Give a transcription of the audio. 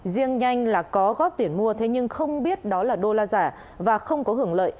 riêng nhanh là có góp tiền mua thế nhưng không biết đó là đô la giả và không có hưởng lợi